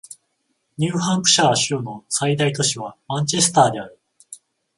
ニューハンプシャー州の最大都市はマンチェスターである